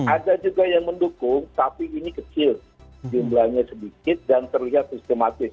ada juga yang mendukung tapi ini kecil jumlahnya sedikit dan terlihat sistematis